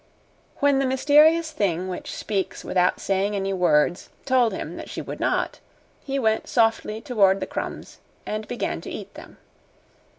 When the mysterious thing which speaks without saying any words told him that she would not, he went softly toward the crumbs and began to eat them.